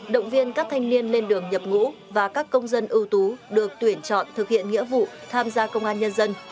động viên các thanh niên lên đường nhập ngũ và các công dân ưu tú được tuyển chọn thực hiện nghĩa vụ tham gia công an nhân dân